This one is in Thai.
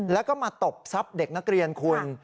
แล้วก็มาตบทรัพย์เด็กนักเรียนคุณ